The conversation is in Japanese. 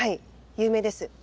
有名です。